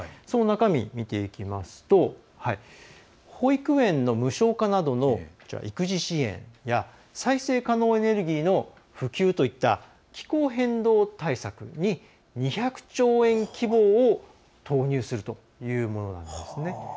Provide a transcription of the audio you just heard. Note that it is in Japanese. その中身、見ていきますと保育園の無償化などの育児支援や再生可能エネルギーの普及といった気候変動対策に２００兆円規模を投入するというものなんですね。